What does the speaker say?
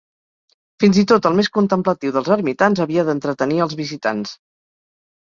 Fins i tot el més contemplatiu dels ermitans havia d'entretenir els visitants.